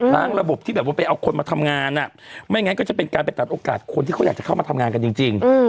ระบบที่แบบว่าไปเอาคนมาทำงานไม่งั้นก็จะเป็นการไปตัดโอกาสคนที่เขาอยากจะเข้ามาทำงานกันจริง